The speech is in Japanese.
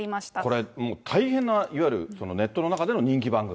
これもう、大変な、いわゆるネットの中での人気番組。